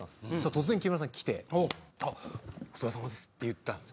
突然木村さん来て「あっお疲れ様です」って言ったんです。